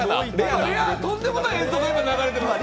とんでもない映像が流れてますよ！